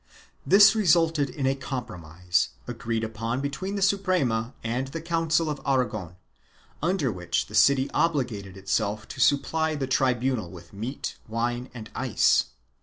1 This resulted in a compromise, agreed upon between the Suprema and the Council of Aragon, under which the city obli gated itself to supply the tribunal with meat, wine and ice.